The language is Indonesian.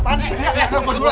buat ibu messi